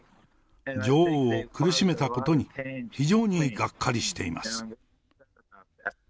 女王を苦しめたことに、非常にがっかりしています。